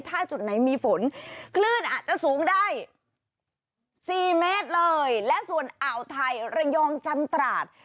ถ้าจุดไหนมีฝนคลื่นอาจจะสูงได้สี่เมตรเลยและส่วนอ่าวไทยระยองจันตราด